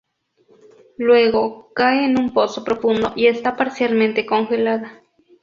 Luego cae en un pozo profundo, y está parcialmente congelada.